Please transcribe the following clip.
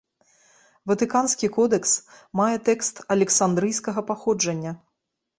Ватыканскі кодэкс мае тэкст александрыйскага паходжання.